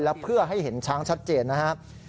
และเพื่อให้เห็นช้างชัดเจนนะครับ